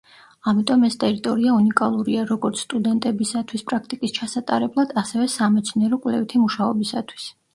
ამიტომ ეს ტერიტორია უნიკალურია, როგორც სტუდენტებისათვის პრაქტიკის ჩასატარებლად, ასევე სამეცნიერო-კვლევითი მუშაობისათვის.